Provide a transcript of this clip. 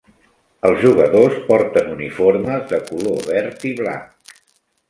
Els jugadors porten uniformes de color verd i blanc.